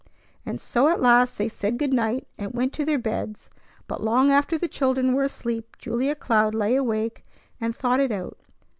And so at last they said "Good night," and went to their beds; but long after the children were asleep Julia Cloud lay awake and thought it out.